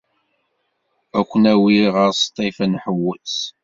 Ad ken-awiɣ ɣer Ṣṭif ad nḥewweṣ?